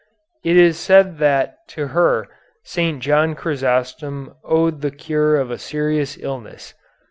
It is said that to her St. John Chrysostom owed the cure of a serious illness.